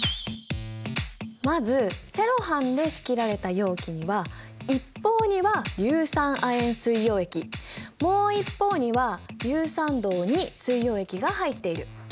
まずセロハンで仕切られた容器には一方には硫酸亜鉛水溶液もう一方には硫酸銅水溶液が入っている。